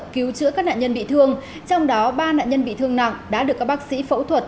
cứu chữa các nạn nhân bị thương trong đó ba nạn nhân bị thương nặng đã được các bác sĩ phẫu thuật